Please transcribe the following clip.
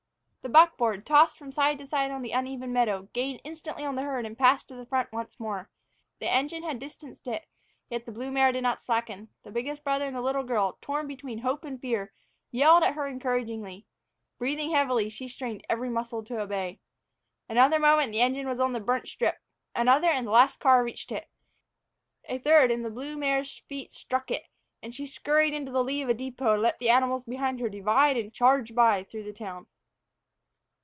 The buckboard, tossing from side to side on the uneven meadow, gained instantly on the herd and passed to the front once more. The engine had distanced it, yet the blue mare did not slacken. The biggest brother and the little girl, torn between hope and fear, yelled at her encouragingly. Breathing heavily, she strained every muscle to obey. Another moment and the engine was on the burnt strip; another, and the last car reached it; a third, and the blue mare's feet struck it, and she scurried into the lee of the depot to let the animals behind her divide and charge by through the town.